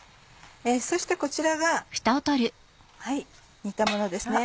そしてこちらが煮たものですね。